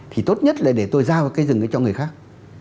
thì tốt nhất là để tôi giao cái rừng ấy cho người khác